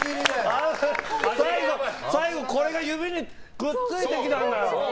最後、これが指にくっついてきたのよ。